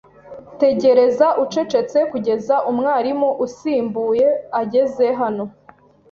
Tegereza ucecetse kugeza umwarimu usimbuye ageze hano.